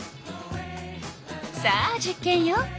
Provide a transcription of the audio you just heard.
さあ実験よ。